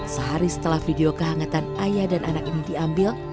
sehari setelah video kehangatan ayah dan anak ini diambil